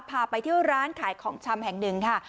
พาไปที่ร้านขายของชำแห่งหนึ่งค่ะ